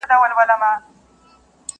o اشو ښه ده که گله، مه يوه ووينې مه بله٫